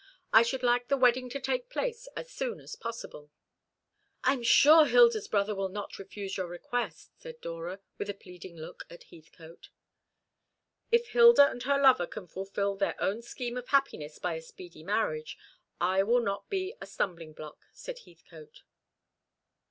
I should like the wedding to take place as soon as possible." "I am sure Hilda's brother will not refuse your request," said Dora, with a pleading look at Heathcote. "If Hilda and her lover can fulfil their own scheme of happiness by a speedy marriage, I will not be a stumbling block," said Heathcote.